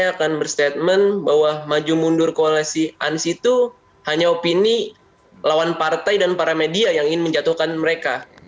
saya akan berstatement bahwa maju mundur koalisi anies itu hanya opini lawan partai dan para media yang ingin menjatuhkan mereka